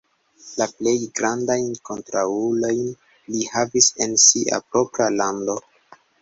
La plej grandajn kontraŭulojn li havis en sia propra lando.